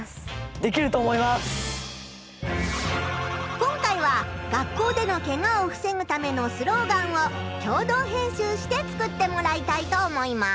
今回は学校でのケガを防ぐためのスローガンを共同編集して作ってもらいたいと思います。